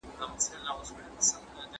ایا پوهه د خلاقیت لامل نه ګرځي؟